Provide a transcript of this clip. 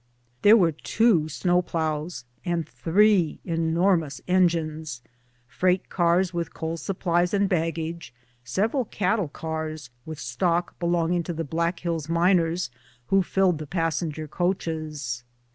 There were two snow ploughs and three enormous engines ; freight cars with coal supplies and baggage ; several cattle cars, with stock belonging to the Black Hills miners who filled the passenger coaches.